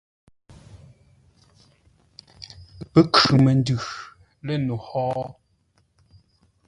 Pə́ khʉ məndʉ lə̂ no hó?